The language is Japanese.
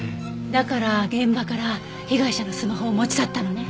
だから現場から被害者のスマホを持ち去ったのね。